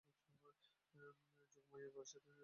যোগমায়ার বাড়ির পথে এই বন।